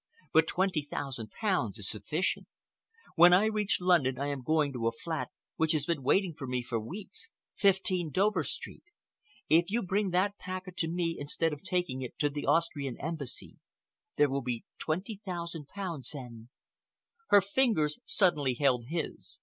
But twenty thousand pounds is sufficient. When I reach London, I am going to a flat which has been waiting for me for weeks—15, Dover Street. If you bring that packet to me instead of taking it to the Austrian Embassy, there will be twenty thousand pounds and—" Her fingers suddenly held his.